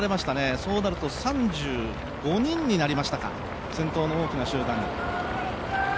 そうなると３５人になりましたか、先頭の大きな集団。